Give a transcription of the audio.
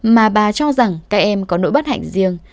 mà bà cho rằng các em có nỗi bất hạnh riêng